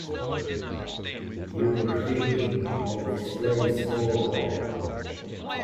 You're thinking of this place all wrong.